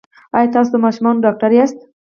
ایا تاسو د ماشومانو ډاکټر یاست؟